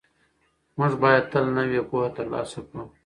موږ باید تل نوې پوهه ترلاسه کړو.